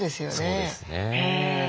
そうですね。